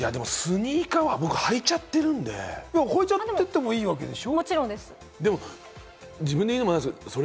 でもスニーカー、僕、履いちゃってるんで。履いててもいいわけでしょ？